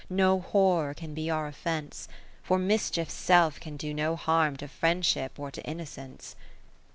No horror can be our offence ; For mischiefs self can do no harm To Friendship or to Innocence.